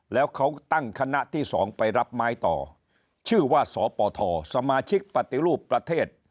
แล้วเขาตั้งคณะที่๒ไปรับไม้ต่อชื่อว่าสปทสมาชิกปฏิรูปประเทศ